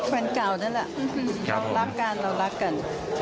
แฟนเก่านั่นแหละรักกันเรารักกัน